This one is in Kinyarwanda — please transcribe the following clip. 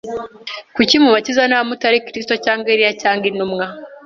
Kuki mubatiza niba mutari Kristo, cyangwa Eliya, cyangwa Intumwa?